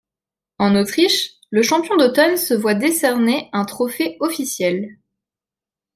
En Autriche, le champion d'automne se voit décerner un trophée officiel.